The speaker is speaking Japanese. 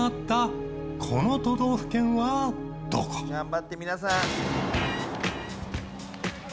頑張って皆さん。